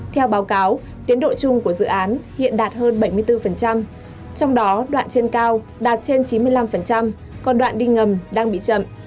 theo báo cáo tiến độ chung của dự án hiện đạt hơn bảy mươi bốn trong đó đoạn trên cao đạt trên chín mươi năm còn đoạn đi ngầm đang bị chậm